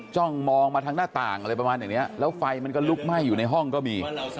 จ้องมองมาทางหน้าต่างอะไรประมาณอย่างนี้แล้วไฟมันก็ลุกไหม้อยู่ในห้องก็มี